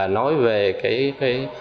nói về cái